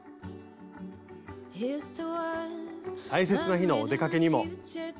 大切な日のお出かけにも。